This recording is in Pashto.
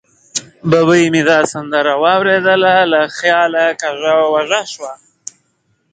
ببۍ مې دا سندره واورېده، له خیاله کږه وږه شوه.